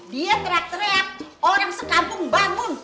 dia teriak teriak orang sekampung bangun